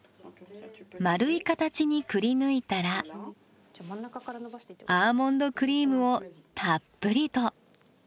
円い形にくりぬいたらアーモンドクリームをたっぷりと。